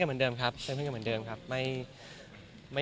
ก็มีไปคุยกับคนที่เป็นคนแต่งเพลงแนวนี้